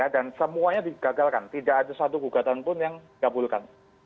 dan semuanya digagalkan tidak ada satu gugatan pun yang diabulkan